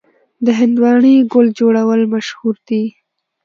د هندواڼې ګل جوړول مشهور دي.